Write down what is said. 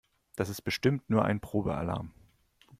Das ist bestimmt nur ein Probealarm.